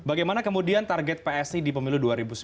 bagaimana kemudian target psi di pemilu dua ribu sembilan belas